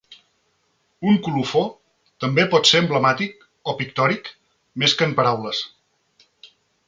Un colofó també pot ser emblemàtic o pictòric més que en paraules.